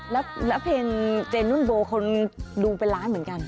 แล้วเพลงเจนุ่นโบคนดูเป็นล้านเหมือนกัน